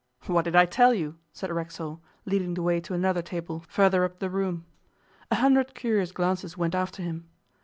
'What did I tell you?' said Racksole, leading the way to another table further up the room. A hundred curious glances went after him.